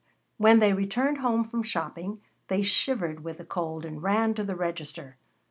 When they returned home from shopping, they shivered with the cold and ran to the register.